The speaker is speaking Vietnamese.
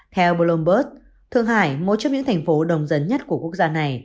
theo bloomberg thượng hải một trong những thành phố đồng dân nhất của quốc gia này